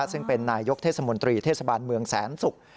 ซึ่งเป็นนายยกเทศมนตรีเทศบาลเมืองแสนศุกร์